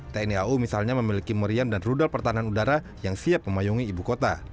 tni au misalnya memiliki meriam dan rudal pertahanan udara yang siap memayungi ibu kota